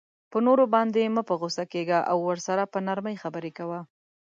په نورو باندی مه په غصه کیږه او ورسره په نرمۍ خبری کوه